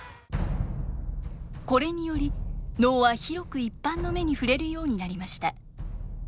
これにより能は広く一般の目に触れるようになりました。